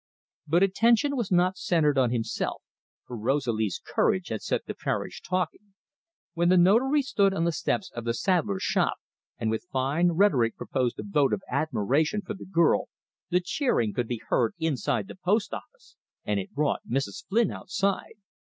But attention was not centred on himself, for Rosalie's courage had set the parish talking. When the Notary stood on the steps of the saddler's shop, and with fine rhetoric proposed a vote of admiration for the girl, the cheering could be heard inside the post office, and it brought Mrs. Flynn outside.